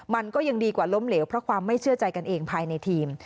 มันก็ยังดีกว่าล้มเหลวเพราะความไม่เชื่อใจกันเองภายในทีม